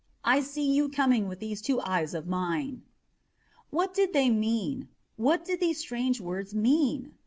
I see you coming with these two eyes of mine." What did they mean? What did those strange words mean?